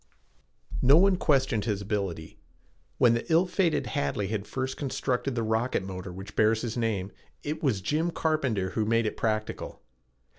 No one questioned his ability. When the ill fated Hadley had first constructed the rocket motor which bears his name it was Jim Carpenter who made it practical.